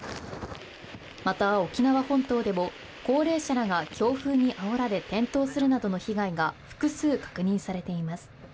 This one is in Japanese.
また、沖縄本島でも高齢者らが強風にあおられ転倒するなどの被害が複数確認されています。